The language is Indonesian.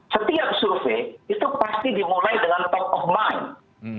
setiap survei itu pasti dimulai dengan top of mind